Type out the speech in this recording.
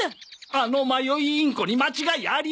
あの迷いインコに間違いありませんね。